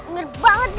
mirip banget teh